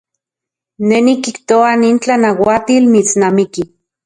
Ne nikijtoa nin tlanauatil mitsnamiki.